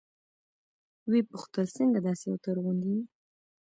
ويې پوښتل څنگه داسې اوتر غوندې يې.